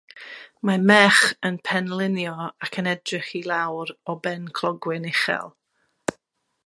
Mae merch yn penlinio ac yn edrych i lawr o ben clogwyn uchel.